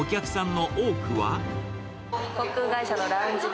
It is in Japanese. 航空会社のラウンジで。